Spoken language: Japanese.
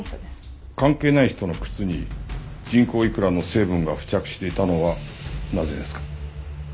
関係ない人の靴に人工いくらの成分が付着していたのはなぜですか？